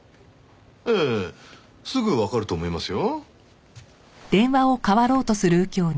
ええすぐわかると思いますよ。